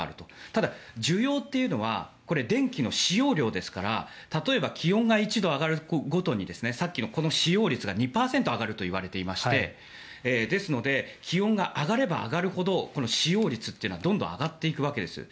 ただ、需要というのはこれは電気の使用量ですから例えば気温が１度上がるごとにさっきの、この使用率が２％上がるといわれていてですので気温が上がれば上がるほど使用率はどんどん上がっていくわけです。